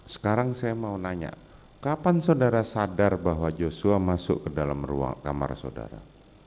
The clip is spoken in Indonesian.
sekarang saya mau nanya kapan saudara sadar bahwa joshua masuk ke dalam ruang kamar saudara